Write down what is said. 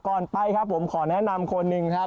ไปครับผมขอแนะนำคนหนึ่งครับ